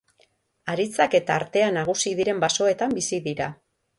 Haritzak eta artea nagusi diren basoetan bizi dira.